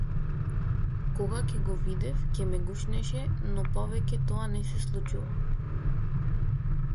Кога ќе го видев ќе ме гушнеше но повеќе тоа не се случува.